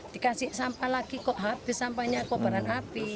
dikasih sampah lagi kok habis sampahnya kobaran api